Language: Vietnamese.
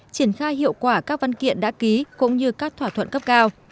triển khai hiệu quả các văn kiện đã ký cũng như các thỏa thuận cấp cao